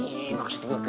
nih makasih juga